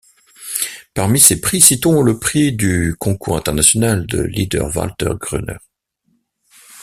Parmi ses prix, citons le prix du concours international de Lieder Walther Gruner.